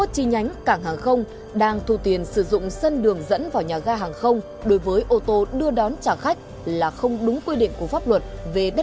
chi nhánh cảng hàng không đang thu tiền sử dụng sân đường dẫn vào nhà ga hàng không đối với ô tô đưa đón trả khách là không đúng quy định của pháp luật về đất